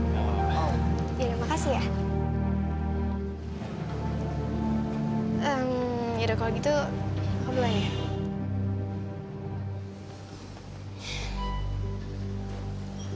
ya udah makasih ya